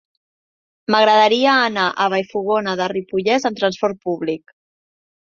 M'agradaria anar a Vallfogona de Ripollès amb trasport públic.